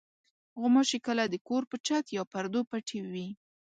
غوماشې کله د کور په چت یا پردو پټې وي.